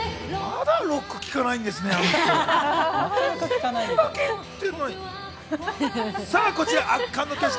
まだロック聴かないんですね、あの人。